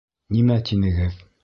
Нимә тинегеҙ?